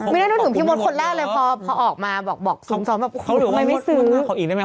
ไม่ได้รู้สึกมันมีคนล่ะหรอไหมพอออกมาบอกบอกอยู่ว่าแล้ว